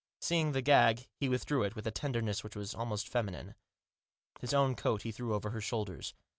Seeing the gag, he withdrew it with a tenderness which was almost feminine. His own coat he threw over her shoulders.